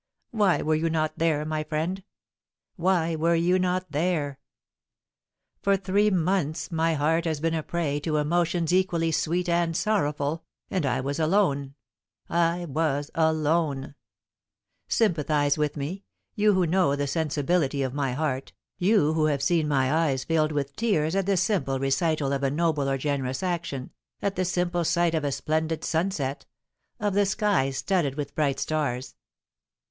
Why were you not there, my friend? Why were you not there? For three months my heart has been a prey to emotions equally sweet and sorrowful, and I was alone I was alone. Sympathise with me, you who know the sensibility of my heart, you who have seen my eyes filled with tears at the simple recital of a noble or generous action, at the simple sight of a splendid sunset of the sky studded with bright stars.